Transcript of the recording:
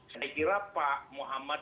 saya kira pak muhammad